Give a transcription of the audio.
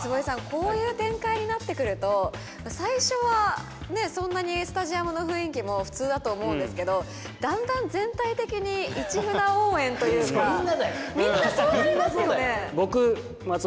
こういう展開になってくると最初はそんなにスタジアムの雰囲気も普通だと思うんですけどだんだん全体的に市船応援というかみんなそうなりますよね。